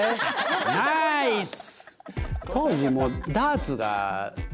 ナイス！